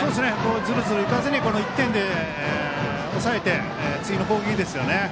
ズルズルいかずにこの１点で抑えて次の攻撃ですね。